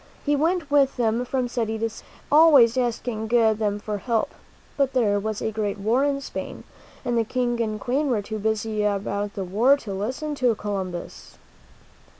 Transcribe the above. He went with them from city to city, always asking them for help. But there was a great war in Spain, and the King and Queen were too busy about the war to listen to Columbus.